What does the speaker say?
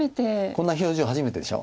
こんな表情初めてでしょ？